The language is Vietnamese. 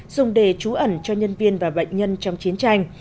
dùng để trú ẩn cho nhân viên và bệnh nhân trong chiến tranh